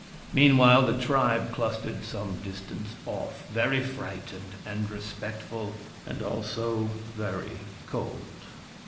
Meanwhile, the tribe clustered some distance off, very frightened and respectful, and also very cold.